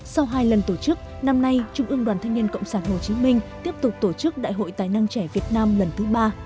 sau hai lần tổ chức năm nay trung ương đoàn thanh niên cộng sản hồ chí minh tiếp tục tổ chức đại hội tài năng trẻ việt nam lần thứ ba